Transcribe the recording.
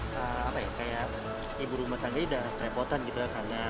karena ibu rumah tangga sudah repotan gitu ya